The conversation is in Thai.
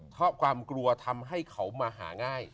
เพราะความกลัวทำให้เขามาหาง่าย